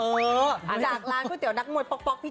จากร้านผู้เตี๋ยวนักมวยป๊อกพี่แจ๊ก